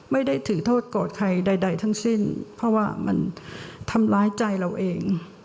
ไม่ได้ถือโทษโกรธใครใดทั้งสิ้นเพราะว่ามันทำร้ายใจเราเอง